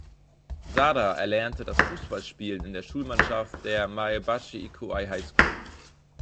Sada erlernte das Fußballspielen in der Schulmannschaft der "Maebashi Ikuei High School".